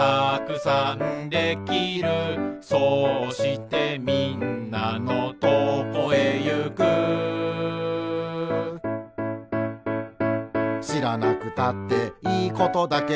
「そうしてみんなのとこへゆく」「しらなくたっていいことだけど」